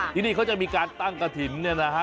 ที่นี่เขาจะมีการตั้งกระถิ่นเนี่ยนะฮะ